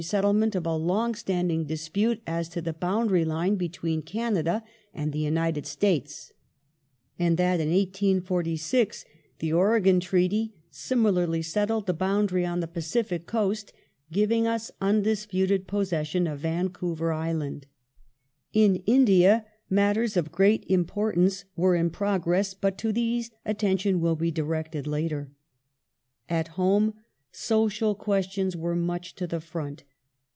sett le ment of a long outstanding dispute as to the boundary line between ">^^, Canada and the United States ; and that, in 1846, the Oregon Treaty similarly settled the boundary on the Pacific Coast giving us undisputed possession of Vancouver Island. In India matters y of great importance were in progress, but to these attention will be ^ directed later.^ At home, social questions were much to the front.